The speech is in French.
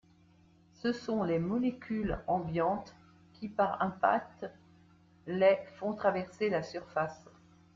Ce sont les molécules ambiantes qui par impact les font traverser la surface.